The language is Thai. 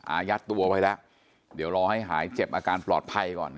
อายัดตัวไว้แล้วเดี๋ยวรอให้หายเจ็บอาการปลอดภัยก่อน